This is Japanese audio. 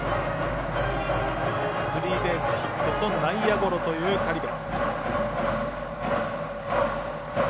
スリーベースヒットと内野ゴロという苅部。